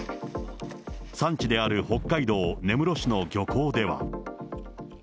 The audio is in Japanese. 産地である北海道根室市の漁港では。